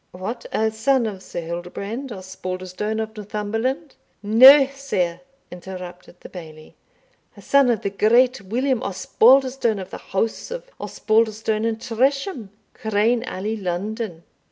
"What, a son of Sir Hildebrand Osbaldistone of Northumberland?" "No, sir," interrupted the Bailie; "a son of the great William Osbaldistone of the House of Osbaldistone and Tresham, Crane Alley, London."